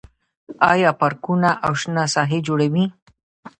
آیا پارکونه او شنه ساحې جوړوي؟